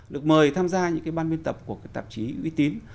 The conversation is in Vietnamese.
được mời tham gia những ban biên tập của tạp chí uy tín